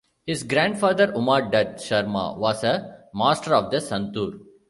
His grandfather, Uma Dutt Sharma, was a master of the santoor.